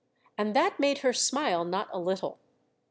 And that made her smile not a little.